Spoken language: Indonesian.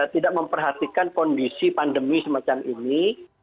tidak memperhatikan kondisi pandemi semacam ini